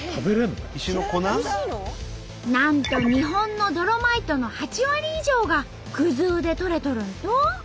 なんと日本のドロマイトの８割以上が生で採れとるんと！